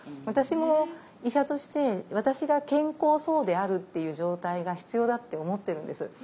私も医者として私が健康そうであるっていう状態が必要だって思ってるんです。